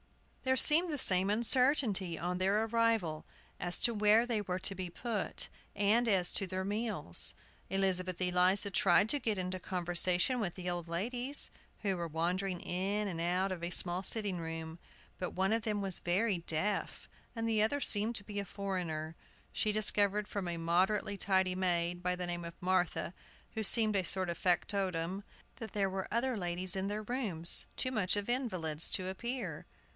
There seemed the same uncertainty on their arrival as to where they were to be put, and as to their meals. Elizabeth Eliza tried to get into conversation with the old ladies, who were wandering in and out of a small sitting room. But one of them was very deaf, and the other seemed to be a foreigner. She discovered from a moderately tidy maid, by the name of Martha, who seemed a sort of factotum, that there were other ladies in their rooms, too much of invalids to appear.